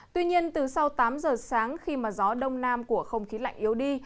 tuy nhiên từ sau tám giờ sáng khi gió đông nam của không khí lạnh yếu đi